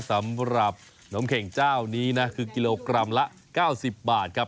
สำหรับนมเข่งเจ้านี้นะคือกิโลกรัมละ๙๐บาทครับ